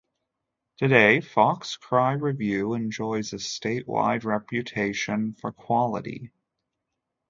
Today, Fox Cry Review enjoys a statewide reputation for quality.